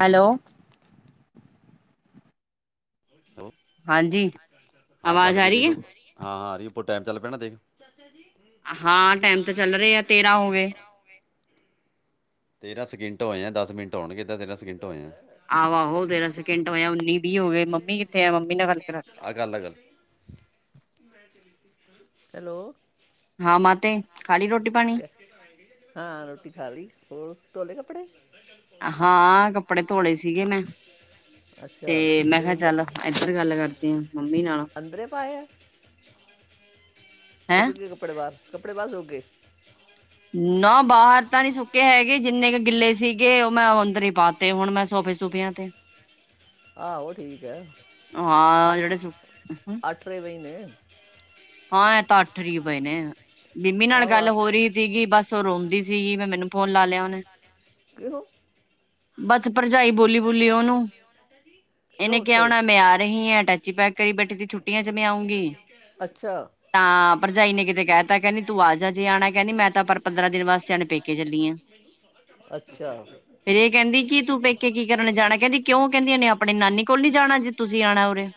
Hello ਹਾਂਜੀ ਆਵਾਜ਼ ਆ ਰਹੀ ਹੈ। ਕੋਈ ਟੈਮ ਚੱਲ ਪੈਣਾ ਦੇਖ ਹਾਂ, ਟਾਈਮ ਤੇ ਚੱਲ ਰਹੇ ਆ ਤੇਰਾਂ ਹੋਵੇਂ ਤੇਰਾਂ ਸਕਿੰਟ ਹੋਏ ਆ ਦਸ ਮਿੰਟ ਹੋਣਗੇ ਦਾਂ ਤੇਰਾਂ ਸਕਿੰਟ ਹੋਏ ਆ। ਆਹੋ ਆਹੋ ਤੇਰਾ ਸਕਿੰਟ ਹੋਇਆ ਉਨੀ ਵੀਹ ਹੋ ਗਏ ਮੰਮੀ ਕਿੱਥੇ ਆ ਮੰਮੀ ਨਾਲ ਗੱਲ ਕਰਾ [inaudible] ਹੈਲੋ। ਹਾਂ ਮਾਤੇ ਹਾਂ, ਰੋਟੀ ਖਾ ਲਈ ਹੋਰ ਧੋਲੇ ਕੱਪੜੇ। ਕੱਪੜੇ ਹਾਂ, ਕੱਪੜੇ ਧੋਲੇ ਸੀਗੇ ਮੈਂ ਤੇ ਮੈਂ ਕਿਹਾ ਚੱਲ ਏਧਰ ਗੱਲ ਕਰਦੀ ਆ ਮੰਮੀ ਨਾਲ ਸੁੱਕ ਗਏ ਕੱਪੜੇ ਬਾਹਰ ਕੱਪੜੇ ਬਾਹਰ ਸੁੱਕ ਗਏ ਨਾ ਬਾਹਰ ਤਾਂ ਨਹੀਂ ਸੁੱਕੇ ਹੈਗੇ ਜਿੰਨੇ ਕ ਗਿੱਲੇ ਸੀਗੇ ਉਹ ਮੈਂ ਅੰਦਰ ਹੀ ਪਾਤੇ ਹੁਣ ਮੈਂ ਸੋਫੇ ਸੋਫਿਆਂ ਤੇ ਆਹੋ ਠੀਕ ਹੈ ਅੱਠ ਆਠਰੇ ਪਏ ਨੇ ਹਾਂ, ਇਹ ਤਾਂ ਅੱਠਰੇ ਪਏ ਨੇ ਬੀਮੀ ਨਾਲ ਗੱਲ ਹੋ ਰਹੀ ਸੀਗੀ ਬਸ ਰੋਂਦੀ ਸੀਗੀ ਮੈਂ ਮੈਨੂੰ ਫੋਨ ਲਾ ਲਿਆ ਉਹਨੇ ਕਿਉਂ ਕਿਉਂ ਉੱਥੇ ਅ ਅੱਛਾ ਅੱਛਾ ਕੇ ਕੀ ਕਰਨ ਜਾਣਾ ਕਹਿੰਦੀ ਕਿਉਂ ਕਹਿੰਦੀ ਉਹਨੇ ਆਪਣੀ ਨਾਨੀ ਕੋਲ ਨੀ ਜਾਣਾ ਜੇ ਤੁਸੀਂ ਆਣਾ ਉਰੇ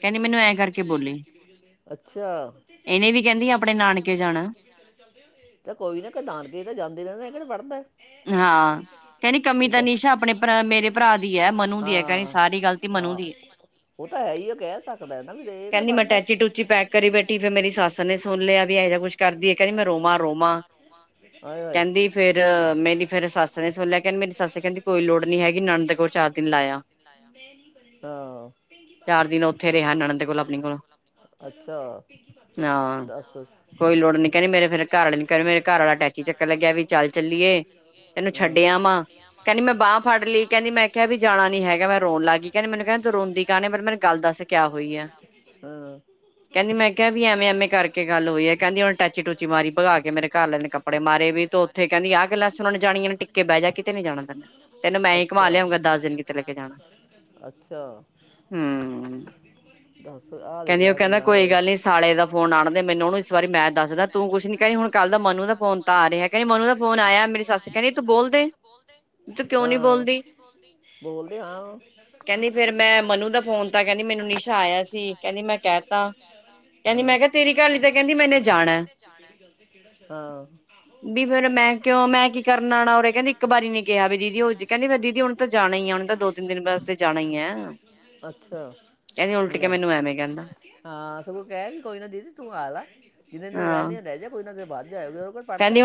ਕਹਿੰਦੀ ਮੈਨੂੰ ਐਂ ਕਰਕੇ ਬੋਲੀ ਅੱਛਾ ਕੋਈ ਨਾ ਨਾਨਕੇ ਤਾਂ ਜਾਂਦੇ ਰਹਿੰਦੇ ਐ ਕਿਹੜਾ ਪੜਦਾ ਨਿਸ਼ਾ ਆਪਣੇ ਮੇਰੇ ਭਰਾ ਦੀ ਹੈ ਮਨੂ ਦੀ ਹੈ ਕਹਿੰਦੀ ਸਾਰੀ ਗਲਤੀ ਮਨੂ ਦੀ ਹੈ ਕਹਿੰਦੀ ਮੈਂ ਬੈ ਬੈਠ ਮੇਰੀ ਸੱਸ ਨੇ ਸੁਣ ਲਿਆ ਰੋਮ ਰੋਮਾ ਕਹਿੰ ਨਣਦ ਕੋਲ਼ ਚਾਰ ਦਿਨ ਲਾਇਆ ਹਾਂ। ਹਾਂ, ਕੋਈ ਲੋੜ ਨੀ ਕਹਿੰਦੀ ਮੇਰੇ ਫੇਰ ਘਰ ਨ ਕਹਿੰਦੀ ਮੇਰੇ ਘਰ ਵਾਲਾ ਅਟੈਚੀ ਚੱਕਨ ਲੱਗਿਆ ਵੀ ਚੱਲ ਚੱਲੀਏ ਤੈਨੂੰ ਛੱਡਿਆ ਵਾ ਕਹਿੰਦੀ ਮੈਂ ਬਾਂਹ ਫੜ ਲਈ ਕਹਿੰਦੀ ਮੈਂ ਕਿਹਾ ਵੀ ਜਾਣਾ ਨੀ ਹੈਗਾ ਮੈਂ ਰੋਣ ਲੱਗ ਗਈ ਕਹਿੰਦੀ ਮੈਨੂੰ ਕਹਿੰਦੇ ਤੂੰ ਰੋਂਦੀ ਕਾਹਣੇ ਪਰ ਮੈਨੂੰ ਗੱਲ ਦੱਸ ਕਿਆ ਹੋਈ ਆ। ਕਹਿੰਦੀ ਮੈਂ ਕਿਹਾ ਵੀ ਐਵੇਂ ਐਵੇਂ ਕਰਕੇ ਗੱਲ ਹੋਈ ਹੈ ਕਹਿੰਦੀ ਉਹਨੇ ਟਾਚੀ ਟੂਚੀ ਮਾਰੀ ਭਗਾ ਕੇ ਮੇਰੇ ਘਰ ਲੈਣੇ ਕਪੜੇ ਮਾਰੇ ਵੀ ਤੇ ਉੱਥੇ ਕਹਿੰਦੀ ਆਹ ਗੱਲਾਂ ਸੁਣਨ ਜਾਣੀਆਂ ਨੇ ਟਿੱਕੇ ਬਹਿ ਜਾ ਕਿਤੇ ਅੱਛਾ-ਅੱਛਾ ਦੱਸ ਆ। ਉਹ ਕਹਿੰਦਾ ਕੋਈ ਗੱਲ ਨੀ ਸਾਲੇ ਦਾ ਫੋਨ ਆਣਦੇ ਮੈਨੂੰ ਉਹਨੂੰ ਇਸ ਵਾਰੀ ਮੈਂ ਦੱਸਦਾ ਤੂੰ ਕੁੱਛ ਨੀ ਕਹਿੰਦੀ ਹੁੰ ਕੱਲ ਦਾ ਮੋਨੂੰ ਦਾ ਫੋਨ ਤਾਂ ਆ ਰਿਹਾ ਕਹਿੰਦੀ ਮੋਨੂੰ ਦਾ ਫੋਨ ਆਇਆ ਮੇਰੀ ਸੱਸ ਕਹਿੰਦੀ ਤੂੰ ਬੋਲਦੇ। ਤੂੰ ਕਿਉਂ ਨੀ ਬੋਲਦੀ ਕਹਿੰਦੀ ਫੇਰ ਮੈਂ ਮੋਨੂੰ ਦਾ ਫੋਨ ਤਾਂ ਕਹਿੰਦੀ ਮੈਨੂੰ ਨਿਸ਼ਾ ਆਇਆ ਸੀ। ਮੈਂ ਕਹਿ ਤ ਕਹਿੰਦੀ ਮੈਂ ਕਿਹਾ ਤੇਰੀ ਘਰ ਆਲੀ ਤੇ ਕਹਿੰਦੀ ਮੈਨੇ ਜਾਣਾ ਵੀ ਫੇਰ ਮੈਂ ਕਿਉ ਮੈਂ ਕੀ ਕਰਨਾ ਆਣਾ ਉਰੇ ਕਹਿੰਦੀ ਇੱਕ ਵਾਰੀ ਗਿਆ ਵੀ ਦੀਦੀ ਹੋ ਜੇ ਕਹਿੰਦੀ ਮੈਂ ਦੀਦੀ ਹੁਣ ਤਾਂ ਜਾਣਾ ਹੀ ਹੈ ਹੁਣ ਤਾਂ ਦੋ ਤਿੰਨ ਦਿਨ ਵਾਸਤੇ ਜਾਣਾ ਈ ਏ ਕਹਿੰਦੀ ਉਲਟ ਕੇ ਮੈਨੂੰ ਐਵੇਂ ਹਾਂ ਸਗੋਂ ਕਹਿ ਵੀ ਕੋਈ ਨਾ ਦੀਦੀ ਤੂੰ ਆ ਲਾ ਜਿੰਨੇ ਦਿਨੇ ਰਹਿੰਦੀ ਆ ਰਹਿ ਜਾ ਕੋਈ ਨਾ ਬਾਅਦ ਉਹਦੇ ਕੋਲ ਪੜ੍ਹਦਾ।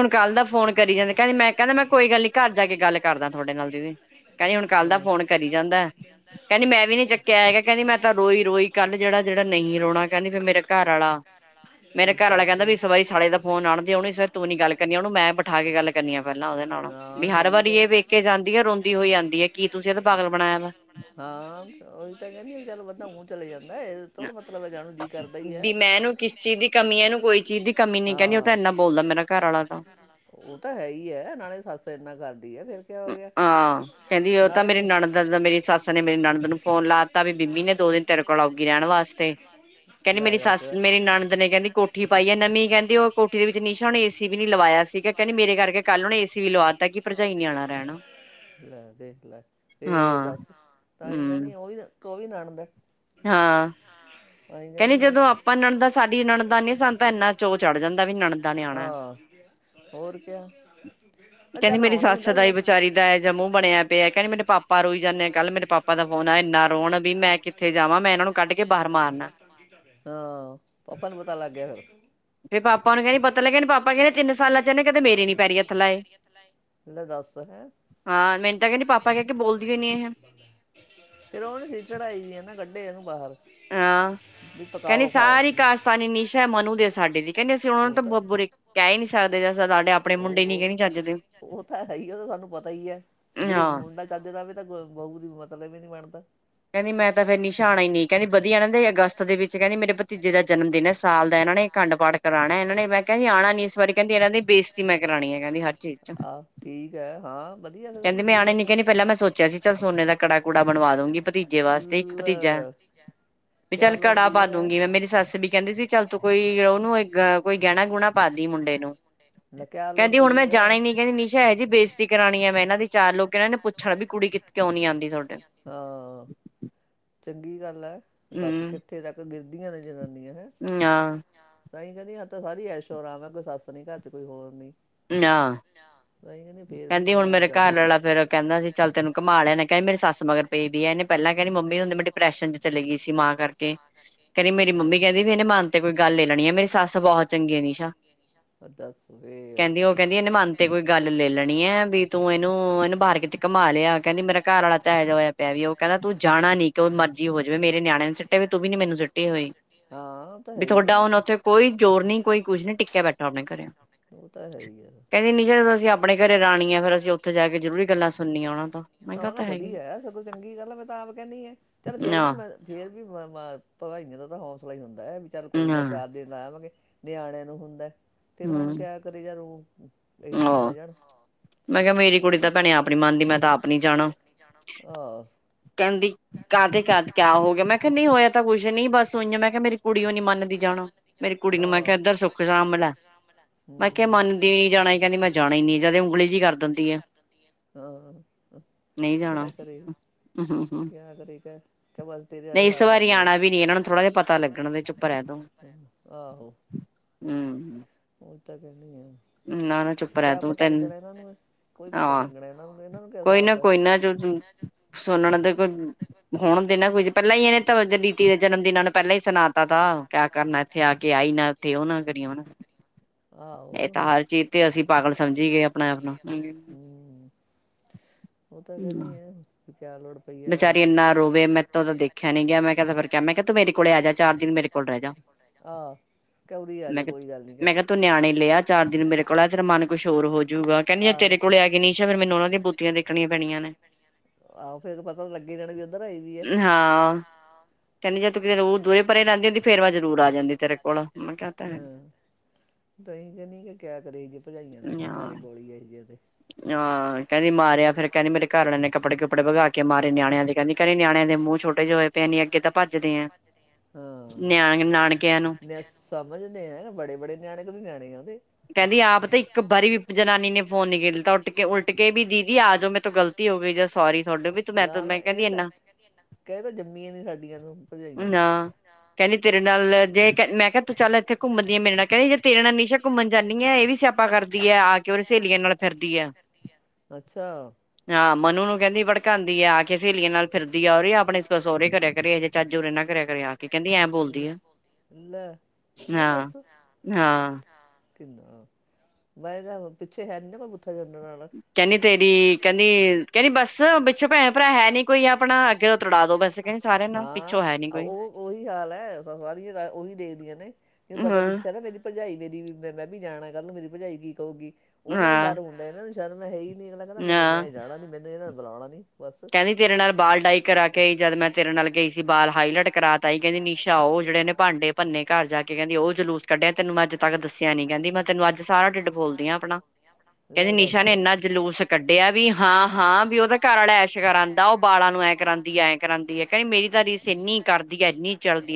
ਜਾ ਕੇ ਗੱਲ ਕਰਦਾ ਤੁਹਾਡੇ ਨਾਲ ਜਿਵੇਂ ਕਹਿੰਦੀ ਹੁਣ ਕੱਲ ਦਾ ਫੋਨ ਕਰੀ ਜਾਂਦਾ ਕਹਿੰਦੀ ਮੈਂ ਵੀ ਨੀ ਚੁੱਕਿਆ ਹੈਗਾ ਕਹਿੰਦੀ ਮੈਂ ਤਾਂ ਰੋਈ-ਰੋਈ ਕੱਲ ਜਿਹੜਾ ਜਿਹੜਾ ਨਹੀਂ ਰੋਣਾ ਕਹਿੰਦੀ ਫ ਮੇਰਾ ਘਰ ਆ ਮੇਰਾ ਘਰ ਵਾਲਾ ਕਹਿੰਦਾ ਵੀ ਇਸ ਵਾਰੀ ਸਾਲੇ ਦਾ ਫੋਨ ਆਣਦੇ ਇਸ ਵ ਤੂੰ ਨੀ ਗੱਲ ਕਰਨੀ ਆ ਉਹਨੂੰ ਮੈ ਬਿਠਾ ਕੇ ਗੱਲ ਕਰਨੀ ਆ ਪਹਿਲਾਂ ਉਹਦੇ ਨਾਲੋਂ ਠੀਕ ਆ ਹਾਂ ਉਹੀ ਤਾਂ ਕਹਿੰਦੀ ਚੱਲ ਵੱਧ ਚਲੇ ਜਾਂਦੀ। ਇਹ ਥੋੜਾ ਮਤਲਬ ਜਾਣੂ ਜੀ ਕਰਦਾ ਹੀ ਹੈ ਉਹ ਤਾਂ ਹੈ ਹੀ ਹੈ ਨਾਲੇ ਸੱਸ ਇਨਾ ਹਾਂ ਕਹਿੰਦੀ ਉਹ ਤਾਂ ਮੇਰੀ ਨਾਨਦ ਮੇਰੀ ਸੱਸ ਨੇ ਮੇਰੀ ਨਾਨਦ ਨੂੰ ਫੋਨ ਲਾ ਦਿੱਤਾ ਵੀ ਬੀ ਮੀ ਨੇ ਦੋ ਦਿਨ ਤੇਰੇ ਕੋਲ ਆਗੀ ਰਹਿਣ ਵਾਸਤੇ ਕਹਿੰਦੀ ਮੇਰੀ ਸੱਸ ਮੇਰੀ ਨਾਨਦ ਨੇ ਕਹਿੰਦੀ ਕੋਠੀ ਪਾਈ ਹੈ ਨਵੀਂ ਕਹਿੰਦੀ ਉਹ ਕੋਠੀ ਦੇ ਵਿੱਚ ਨਿਸ਼ਾ ਉਹਨੇ ਏਸੀ ਵੀ ਨੀ ਲਵਾਇਆ ਸੀਗਾ ਕਹਿੰਦੀ ਮੇਰੇ ਕਰਕੇ ਕੱਲ ਉਹਨੇ ਏਸੀ ਵੀ ਲਵਾਤਾ ਕਿ ਭਰਜਾਈ ਨੇ ਆਨਾ ਲੈ ਦੇ ਲੈ ਇਹ ਦੱਸ ਤਾਂਹੀ ਕਹਿੰਦੀ ਉਹੀ ਨਾ ਕੋ ਵੀ ਆਣਦਾ। ਹਾਂ ਕਹਿੰਦੀ ਜਦੋਂ ਆਪਾਂ ਨਾਨਦਾ ਸਾਡੀ ਨਾਨਦਾ ਨੀ ਸਨ ਤਾਂ ਇੰਨਾ ਚੋ ਚੜ੍ਹ ਜਾਂਦਾ ਵੀ ਨਾਨਦਾ ਨੇ ਆਣਾ। ਕਹਿੰਦੀ ਮੇਰੀ ਸੱਸ ਦਾ ਹੀ ਵਿਚਾਰੀ ਦਾ ਐਹੋ ਜਿਹਾ ਮੂਹ ਬਣਿਆ ਪਿਆ ਕਹਿੰਦੀ ਮੇਰੇ ਪਾਪਾ ਰੋਈ ਜਾਂਦੇ ਆ ਕੱਲ ਮੇਰੇ ਪਾਪਾ ਦਾ ਫੋਨ ਆ ਇੰਨਾ ਰੋਣ ਵੀ ਮੈਂ ਹਾਂ ਪਾਪਾ ਨੂੰ ਪਤਾ ਲੱਗ ਗਿਆ ਫਿਰ ਫ ਪਾਪਾ ਨੂੰ ਕਹਿੰਦੀ ਪਤਾ ਲੈ ਕਹਿੰਦੇ ਪਾਪਾ ਕਹਿੰਦੇ ਤਿੰਨ ਸਾਲਾਂ ਚ ਇਹਨ ਕਦੇ ਮੇਰੀ ਨੀ ਪੈਰੀ ਹੱਥ ਲਾਏ। ਦੱਸ ਫਰ ਉਹ ਨੀ ਸੀ ਚੜਾਈ ਕੱਢੇ ਨੂੰ ਹਾਂ ਕਹਿੰਦੀ ਸਾਰੀ ਕਾਰਸਤਾਨੀ ਨਿਸ਼ਾ ਮੋਨੂੰ ਦੇ ਸਾਡੇ ਦੀ ਕਹਿੰਦੀ ਅਸੀਂ ਉਹ ਨੂੰ ਤਾਂ ਬੁਰੀ ਕਹਿ ਹੀ ਨੀ ਸਕਦੇ ਜੇ ਸਾਡੇ ਆਪਣੇ ਮੁੰਡੇ ਨੀ ਕਹਿੰਦੀ ਚੱਜ ਉਹ ਤਾਂ ਹੈ ਹੀ ਉਹ ਤਾਂ ਸਾਨੂੰ ਪਤਾ ਹੀ ਹੈ ਜੇ ਮੁੰਡਾ ਚੱਜ ਦਾਵੇ ਤਾਂ ਬਹੂ ਦਾ ਮਤਲਬ ਹੀ ਨੀ ਬਣਦਾ। ਕਹਿੰਦੀ ਮੈਂ ਤਾਂ ਫੇਰ ਨਿਸ਼ਾ ਆਣਾ ਹੀ ਨੀ ਕਹਿੰਦੀ ਵਧੀਆ ਇਹਨਾਂ ਦੇ ਅਗਸਤ ਦੇ ਵਿੱਚ ਕਹਿੰਦੀ ਮੇਰੇ ਭਤੀਜੇ ਦਾ ਜਨਮ ਦਿਨ ਹੈ ਸਾਲ ਦਾ ਇਹਨਾਂ ਨੇ ਆਖੰਡ ਪਾਠ ਕਰਾਣਾ ਇਹਨਾਂ ਨੇ ਮੈਂ ਕਹਿੰਦੀ ਆਣਾ ਨੀ ਇਸ ਵਾਰੀ ਕਹਿੰਦੀ ਇਹਨਾਂ ਦੀ ਬੇਇਤੀ ਮੈਂ ਕਰਾਣੀ ਹੈ ਕਹਿੰਦੀ ਹਰ ਚੀਜ਼ ਕਹਿੰਦੀ ਮੈਂਣੇ ਨੀ ਕਹਦੀ ਪਹਿਲਾਂ ਮੈਂ ਸੋਚਿਆ ਸੀ ਚੱਲ ਸੋਨੇ ਦਾ ਕੜਾ ਕੁੂੜਾ ਬਣਵਾ ਦੂੰਗੀ ਭਤੀਜੇ ਵਾਸਤੇ ਇੱਕ ਭਤੀਜਾ ਵੀ ਚੱਲ ਕੜਾ ਪਾ ਦੂਗੀ ਮੈਂ ਮੇਰੀ ਸੱਸ ਵੀ ਕਹਿੰਦੀ ਸੀ ਚੱਲ ਤੂੰ ਕੋਈ ਉਹਨੂੰ ਕੋਈ ਗਹਿਣਾ ਗੁਣਾ ਪਾਦੀ ਮੁੰਡੇ ਨੂੰ ਕਹਿੰਦੀ ਹੁਣ ਮੈਂ ਜਾਣਾ ਹੀ ਨੀ ਜਾਣੇ ਨੀ ਕਹਿੰਦੀ ਨਿਸ਼ਾ ਹੈ ਜੀ ਬੇਜਤੀ ਕਰਾਉਣੀ ਹੈ ਮੈਂ ਇਹਨਾਂ ਦੀ ਚਾਰ ਲੋਕ ਇਹ ਨੇ ਪੁੱਛਣਾ ਵੀ ਕੁੜੀ ਕਿ ਕਿਉਂ ਨੀਂ ਆਂਦੀ। ਆ ਹਾਂ ਚੰਗੀ ਗੱਲ ਐ। ਦੱਸ ਕਿੱਥੇ ਤੱਕ ਗਿਰ [unintelligible] ਨਾਂ ਆ ਤਾਂ ਕਹਿੰਦੀ ਹੱਥ ਸਾਰੀ ਐਸ਼ੋਰਾਮ ਹੈ ਕੋਈ ਸੱਸ ਨੀ ਘਰ ਚ ਕੋਈ ਹੋਰ ਨੀਂ ਨਾਂ [inaudible] ਦੱਸ ਫਿਰ ਮਨ ਤੇ ਕੋਈ ਗੱਲ ਲੈ ਲੈਣੀ ਐ ਵੀ ਤੂੰ ਇਹਨੂੰ, ਇਹਨੂੰ ਬਾਹਰ ਕਿਤੇ ਘੁੰਮਾ ਲਿਆ ਕਹਿੰਦੀ ਮੇਰਾ ਘਰ ਵਾਲਾ ਤਾਂ ਇਹਜਾ ਹੋਇਆ ਪਿਆ ਵੀ ਉਹ ਕਹਿੰਦਾ ਤੂੰ ਜਾਣਾ ਨੀਂ ਕਿ ਉਹ ਮਰਜ਼ੀ ਹੋ ਜਵੇ ਮੇਰੇ ਨਿਆਣੇ ਵੀ ਸੁੱਟੇ ਵੀਂ ਤੂੰ ਵੀ ਨੀਂ ਮੈਨੂੰ ਸੁਟੀ ਹੋਈ ਵੀ ਤੁਹਾਡਾ ਹੁਣ ਉਓਥੇ ਕੋਈ ਜ਼ੋਰ ਨੀਂ ਕੋਈ ਕੁਛ ਨੀਂ ਟਿੱਕਿਆ ਬੈਠੋ ਆਪਣੇ ਘਰੇ ਕਹਿੰਦੀ ਨੀਸ਼ਾ ਜਦੋਂ ਅਸੀਂ ਅਪ ਨਾ ਨਾ ਵਧੀਆ, ਸਗੋਂ ਚੰਗੀ ਗੱਲ ਐ, ਮੈਂ ਤਾਂ ਆਪ ਕਹਿੰਣੀ ਆਂ। ਚੱਲ ਫੇਰ ਵੀ ਮੈਂ, ਫੇਰ ਵੀ ਮੈਂ, ਫੇਰ ਵੀ ਮੈਂ [inaudible] [unintelligible] ਵੀ ਵਿਚਾਰ ਕੋਈ ਨਾ ਚਾਰ ਦਿਨ ਲਾ ਆਵਾਂਗੇ। ਦਿਆਣਿਆਂ ਨੂੰ ਹੁੰਦਾ ਫਿਰ ਹੁਣ ਕਿਆ ਕਰੇ ਯ ਰੋ [unintelligible] [inaudible] ਓਹੀ ਤੇ, ਆਹ, [inaudible] ਆਹ [inaudible] ਹਂ। [inaudible] ਆਹ [inaudible] ਤੇਰੇ ਆਲੇ ਹਾਲ ਹਾਡੇ ਆ ਆਹੋ। ਉੱਤ ਨਾ ਨਾਂ ਚੁੱਪ ਰੈ ਤੂੰ ਤੈਨ ਹਾਂ ਕੋਈ ਨਾ ਕੋਈ ਨਾ ਸੁਣਣ ਦੇ ਕੋ ਹੋਣ ਦੇ ਨਾ ਕੋਈ ਪਹਿਲਾਂ ਹੀ ਇਹਨੇ ਤਾਂ ਦੀਤੀ ਦੇ ਜਨਮ ਦਿਨਾਂ ਨੂੰ ਪਹਿਲਾਂ ਹੀ ਸੁਣਾ ਤਾਂ ਥਾ ਕਿਆ ਕਰਨਾ ਇੱਥੇ ਆ ਕੇ ਆਈਂ ਨਾਂ ਉੱਥੇ ਉਹ ਨਾ ਕਰੀ ਉਹ ਨਾ ਆਹੋੋ। [inaudible] ਉਹ ਤਾਂ ਕਹਿੰਦੀ ਐ। ਕਿਆ ਲੋੜ ਪਈ ਆ ਆ ਕੋਈ ਗੱਲ ਨੀਂ ਤੂੰ ਨਿਆਣੇ ਲਿਆ ਚਾਰ ਦਿਨ ਮੇਰੇ ਕੋਲ ਆ ਤੇਰਾ ਮਨ ਕੁਛ ਹੋਰ ਹੋਜੂਗਾ ਕਹਿੰਦੀ ਯਾਰ ਤੇਰੇ ਕੋਲ ਆ ਕੇ ਨੀਸ਼ਾ ਫਿਰ ਮੈਨੂੰ ਉਹਨਾਂ ਦੀਆਂ ਬੂਥੀਆਂ ਦੇਖਣੀਆਂ ਪੈਣੀਆਂ ਨੇਂ। ਹਾਂ, ਕਹਿੰਦੀ ਜਦ ਤੂੰ ਦੂਰੇ ਪਰੇ ਰਹਿੰਦੀ ਹੁੰਦੀ ਫਿਰ ਮੈਂ ਜ਼ਰੂਰ ਆ ਜਾਂਦੀ ਤੇਰੇ ਕੋਲ ਮੈਂ ਕਿਆ ਉਹ ਤਾਂ ਹੈ। ਤਾਂ ਈ ਕਹਿੰਦੇ ਕਿ ਕਿਆ ਕਰੇਗੀ ਭਜਾਈਆਂ ਨੂੰ ਮਾਰੇ ਗੋਲੀ ਇਹ ਜੇ ਕਹਿੰਦੀ ਮਾਰਿਆ ਫਿਰ ਕਹਿੰਦੀ ਮੇਰੇ ਘਰਆਲੇ ਨੇ ਕੱਪੜੇ ਕੁੱਪੜੇ ਵਗਾ ਕੇ ਮਾਰੇ ਨਿਆਣਿਆਂ ਦੇ ਦੀ ਨਿਆਣਿਆਂ ਦੇ ਮੂੰਹ ਛੋਟੇ ਜਿ ਹੋਏ ਪਏ ਅੱਗੇ ਤਾਂ ਭੱਜਦੇ ਆ ਹਾਂ ਨਿਆਣੇਂ ਸਮਝਦੇ ਆ ਬੜੇ ਬੜੇ ਨਿਆਣੇ ਕ ਨਿਆਣੇ ਆਦੇ ਕਹਿੰਦੀ ਤਾਂ ਉੱਠ ਕੇ ਉਲਟ ਕੇ ਵੀ ਦੀਦੀ ਆ ਜਾਓ ਮੇਰੇ ਤੋਂ ਗ਼ਲਤੀ ਹੋ ਗਈ ਜ ਸੋਰੀ ਤੁਹਾਡੇ ਵੀ ਤੂੰ ਮੈਂ ਮੈਂ ਕਹਿੰਦੀ ਇਨਾ, ਨਾ ਕਹਿੰਦੀ ਤੇਰੇ ਨਾਲ ਜੇ ਮੈਂ ਕਿਹਾ ਤੂੰ ਚੱਲ ਇੱਥੇ ਘੁੰਮਦੀ ਆ ਮੇਰੇ ਨਾਲ ਕਹਿੰਦੀ ਤੇਰੇ ਨਾਲ ਨਿਸ਼ਾ ਘੁੰਮਣ ਜਾਂਦੀ ਆ, ਇਹ ਵੀ ਸਿਆਪਾ ਕਰਦੀ ਹੈ, ਆ ਕੇ ਉਹ ਸਹੇਲੀਆਂ ਨਾਲ ਫਿਰਦੀ ਆ, ਹਾਂ, ਮਨੂ ਨੂੰ ਕਹਿੰਦੀ ਭੜਕਾਉਂਦੀ ਆ, ਆ ਕੇ ਸਹੇਲੀਆਂ ਨਾਲ ਫਿਰਦੀ ਆ, ਉਰੇ ਆਪਣੇ ਸੋਹੁਰੇ ਕਰਿਆ ਕਰੇ ਇਹੋ ਜਿਹੇ ਚਾਜੂਰੇ ਨਾਲ ਕਰਿਆ ਕਰੇ ਆ ਕੇ ਕਹਿੰਦੀ ਐ ਬੋਲਦੀ ਆ ਹਾਂ, ਹਾਂ। [unintelligible] ਕਿੰਦਾ, ਮੈਂ ਪਿੱਛੇ ਹੈ ਨੀ ਨਾ ਕੋਈ ਕਹਿੰਦੀ ਤੇਰੀ, ਕਹਿੰਦੀ ਬਸ ਪਿੱਛੇ ਭੈਣ ਭਰਾ ਹੈਨੀ ਕੋਈ ਆਪਣਾ, ਅੱਗੇ ਤੋਂ ਤੁੜਵਾਂ ਦੋ ਉਹੀ ਹਾਲ ਉਹੀ ਦੇਖਦੀਆਂ ਨੇ ਨੂੰ ਪਤਾ ਪਿੱਛ ਨਾ ਮੇਰੀ ਭਰਜਾਈ ਮੇਰੀ ਮੈਂ ਮੈਂ ਵੀ ਜਾਣਾ ਕੱਲ ਨੂੰ, ਮੇਰੀ ਭਰਜਾਈ ਕੀ ਕਹੂਗੀ। ਉਹਨਾਂ ਨੂੰ ਡਰ ਹੁੰਦਾ ਨਾ। [unintelligible] ਲਗਦਾ ਮੈਨ ਮੈਂ ਜਾਣਾ ਨੀ ਇਹਨੇ ਤੇ ਬੁਲਾਉਣਾ ਨੀ। ਕਹਿੰਦੀ ਤੇਰੇ ਨਾਲ ਬਾਲ ਡਾਈ ਕਰਾ ਕੇ ਜਦ ਮੈਂ ਤੇਰੇ ਨਾਲ ਗਈ ਸੀ, ਬਾਲ ਹਾਈਲੈਟ ਕਰਾ ਆਈ ਕਹਿੰਦੀ, ਨੀਸ਼ਾ ਉਹ ਜਿਹੜੇ ਨੇ ਭਾਂਡੇ ਭੰਨੇ ਘਰ ਜਾ ਕੇ ਕਹਿੰਦੀ ਉਹ ਜਲੂਸ ਕੱਢਿਆ ਤੇ ਤੈਨੂੰ ਅੱਜ ਤੱਕ ਦੱਸਿਆ ਨੀ ਕਹਿੰਦੀ, ਮੈਂ ਤੈਨੂੰ ਅੱਜ ਸਾਰਾ ਢਿੱਡ ਫੋਲਦੀ ਆ ਆਪਣਾ, ਕਹਿੰਦੀ ਨਿਸ਼ਾ ਨੇ ਇੰਨਾ ਜਲੂਸ ਕੱਢਿਆ ਵੀ ਹਾਂ ਹਾਂ ਵੀ ਉਹਦਾ ਘਰ ਵਾਲਾ ਐਸ਼ [unintelligible]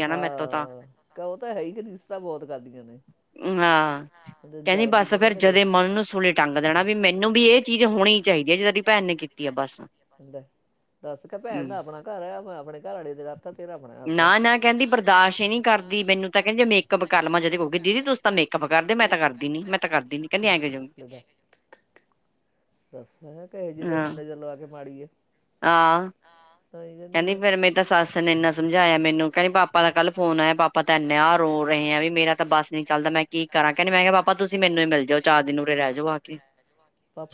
ਹਾਂ ਉਹ ਤਾਂ ਹੈ ਰੀਸ ਤਾਂ ਬਹੁਤ ਕਰਦੀਆਂ ਨੇ। ਹਾਂ, ਕਹਿੰਦੀ ਬੱਸ ਫੇਰ ਜਦੇ ਮਨ ਨੂੰ ਸੁਲੀ ਟੰਗ ਦੇਣਾ ਵੀ ਮੈਨੂੰ ਵੀ ਇਹ ਚੀਜ਼ ਹੋਣੀ ਚਾਹੀਦੀ ਹੈ, ਜਿੱਦਾਂ ਦੀ ਇਹਦੀ ਭੈਣ ਨੇ ਕੀਤੀ ਆ ਬੱਸ। ਦੱਸ ਕੇ ਭੈਣ ਦਾ ਆਪਣਾ ਘਰ ਆ ਆਪਣੇ ਘਰ ਹੱਕ ਤੇਰਾ ਆਪਣਾ ਹੱਕ, ਨਾ ਨਾ ਕਹਿੰਦੀ ਬਰਦਾਸ਼ਤ ਨਹੀਂ ਕਰਦੀ ਮੈਨੂੰ ਤੇ ਕਹਿੰਦੀ ਮੇਕਅਪ ਦੀਦੀ ਤੁਸੀਂ ਤਾਂ ਮੇਕਅਪ ਕਰਦੇ, ਮੈਂ ਤਾਂ ਕਰਦੀ ਨੀ, ਮੈਂ ਤਾਂ ਕਰਦੀ ਨੀ, ਕਹਿੰਦੀ ਐਂ ਕਹੀ ਜਾਵੇਗੀ। ਦੱਸ ਹੈ ਕਿਹੇ ਜਿਹੀ ਤਾਂ ਉਈ ਨਜ਼ਰ ਲਵਾ ਕੇ ਮਾੜੀ ਏ। ਆ। ਕਹਿੰਦੀ ਫੇਰ ਮੇਰਾ ਸੱਸ ਨੇ ਇੰਨਾ ਸਮਝਾਇਆ ਮੈਨੂੰ ਕਹਿੰਦੀ, ਪਾਪਾ ਦਾ ਕੱਲ ਫੋਨ ਆਇਆ ਪਾਪਾ ਤਾਂ ਇੰਨਾ ਰੋ ਰਹੇ ਆ, ਵੀ ਮੇਰਾ ਤਾਂ ਬੱਸ ਨੀ ਚੱਲਦਾ ਮੈਂ ਕੀ ਕਰਾਂ, ਕਹਿੰਦੀ ਮੈਂ ਕਿਹਾ ਪਾਪਾ ਤੁਸੀਂ ਮੈਨੂੰ ਹੀ ਮਿਲ ਜਾਓ ਚਾਰ ਦਿਨ ਉਰੇ ਰਹਿ ਜਾਉ ਅਣ ਕੇ।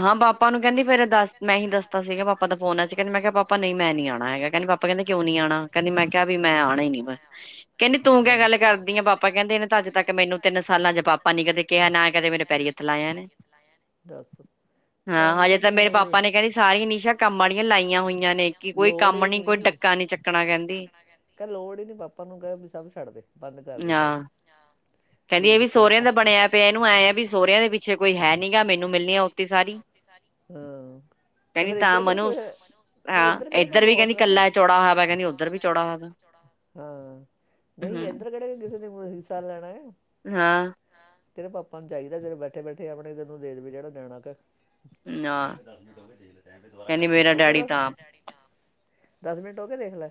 ਹਾਂ, ਪਾਪਾ ਨੂੰ ਕਹਿੰਦੀ, ਫੇਰ ਦੱਸ ਮੈਂ ਹੀ ਦੱਸਤਾ ਸੀਗਾ ਪਾਪਾ ਫੋਨ ਆਇਆ ਸੀ, ਕਹਿੰਦੀ ਮੈਂ ਕਿਹਾ ਪਾਪਾ ਨਹੀਂ ਮੈਂ ਨੀ ਆਉਣਾ ਹੈਗਾ, ਕਹਿੰਦੀ ਪਾਪਾ ਕਹਿੰਦੇ ਕਿਉਂ ਨੀ ਆਣਾ ਕਹਿੰਦੀ ਮੈਂ ਕਿਹਾ ਵੀ ਮੈਂ ਆਣਾ ਨੀ ਬਸ, ਕਹਿੰਦੀ ਤੂੰ ਕਿਉ ਗੱਲ ਕਰਦੀ ਆ ਪਾਪਾ ਕਹਿੰਦੇ ਇਹਨੇ ਤਾਂ ਅੱਜ ਤੱਕ ਮੈਨੂੰ ਤਿੰਨ ਸਾਲਾਂ ਚ ਪਾਪਾ ਨੀ ਕਦੇ ਕਿਹਾ ਨਾ ਕਦੇ ਮੇਰੇ ਪੈਰੀ ਲਾਇਆ ਨੀ, ਹਾਂ ਹਜੇ ਤਾਂ ਮੇਰੇ ਪਾਪਾ ਨੇ ਕਹਿੰਦੀ ਸਾਰੀਆਂ ਨਿਸ਼ਾ ਲੋੜ ਹੀ ਨੀ, ਲੋੜ ਹੀ ਨੀ ਪਾਪਾ ਨੂੰ ਕਹਿ ਸਭ ਛੱਡਦੇ ਬੰਦ ਕਰਦੇ ਸਭ। ਕਹਿੰਦੀ ਇਹ ਵੀ ਸੋਹੁਰਿਆਂ ਦਾ ਬਣਿਆ ਪਿਆ, ਇਹਨੂੰ ਐਂ ਵੀ ਸੋਹੁਰਿਆਂ ਦੇ ਸਹੁਰਿਆਂ ਦੇ ਪਿੱਛੇ ਕੋਈ ਹੈ ਨਹੀਂ ਗਾ, ਮੈਨੂੰ ਮਿਲਣੀ ਉਥੇ ਸਾਰੀ ਹਾਂ, ਇੱਧਰ ਕਿਹੜੀ ਕੋ ਇਧਰ ਕਿਹੜੀ ਕੋ ਬਹੁਤ ਹਾਂ, ਨਹੀਂ ਇੱਧਰ ਕਿਹੜੇ ਕਿਸੇ ਨੇ [unintelligible] ਹਾਂ। ਤੇਰੇ ਪਾਪਾ ਨੂੰ ਚਾਹੀਦਾ, ਜਿਹੜੇ ਉੱਥੇ ਬੈਠੇ ਆਪਣੇ ਤੈਨੂੰ ਦੇ ਦੇਵੇ ਜਿਹੜਾ ਦੇਣਾ ਕਹਿ। ਹੋ ਗਏ ਦੱਸ। ਦਸ ਮਿੰਟ ਹੋ ਕੇ ਦੇਖ ਲੈ।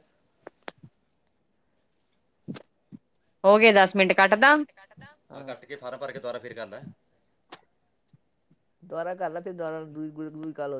ਹਾਂ ਕੱਟ ਕੇ ਫਾਰਮ ਭਰ ਕੇ ਦੁਬਾਰਾ ਫਿਰ ਕਰ ਲੈ। ਦੁਬਾਰਾ ਕਰ ਲੇ ਫੇਰ ਦੁਬਾਰਾ ਦ ਦੂਈ ਕਾਲ ਹੋ ਜੇ